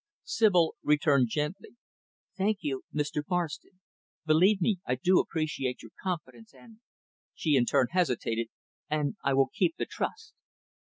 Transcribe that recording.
Sibyl returned gently, "Thank you, Mr. Marston believe me, I do appreciate your confidence, and " she in turn hesitated "and I will keep the trust."